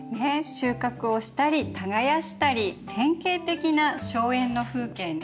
収穫をしたり耕したり典型的な荘園の風景ね。